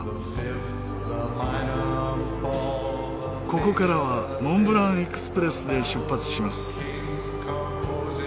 ここからはモンブラン・エクスプレスで出発します。